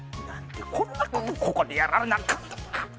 そんなことここでやらなあかんのか。